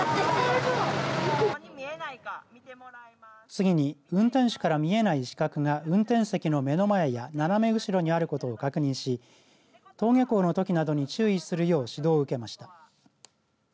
次に運転手から見えない死角が運転席の目の前や斜め後ろにあることを確認し登下校のときなどに注意するよう指導を受けました。